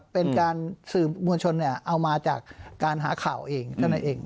เป็นการสื่อมชนเอามาจากการหาข่าวเจ้านักเอง